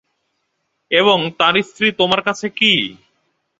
এবং তার স্ত্রী তোমার কাছে কী?